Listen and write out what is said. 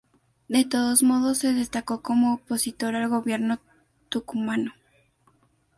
De todos modos, se destacó como opositor al gobierno tucumano.